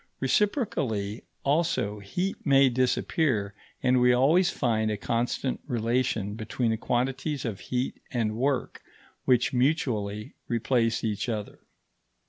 Reciprocally, also, heat may disappear, and we always find a constant relation between the quantities of heat and work which mutually replace each other.